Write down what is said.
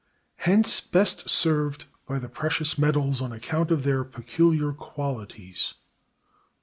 Hence best served by the precious metals, on account of their peculiar qualities.